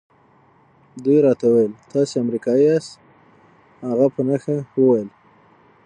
دوی راته وویل تاسي امریکایی یاست. هغه په نښه وویل.